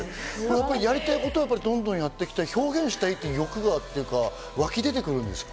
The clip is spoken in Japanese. やりたいことはどんどんやっていきたい、表現したいっていう欲が湧き出てくるんですか？